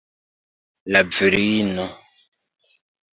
La virino.